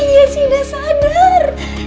jesse sudah sadar